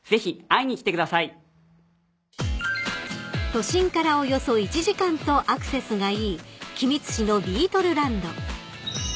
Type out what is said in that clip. ［都心からおよそ１時間とアクセスがいい君津市のびーとるランド］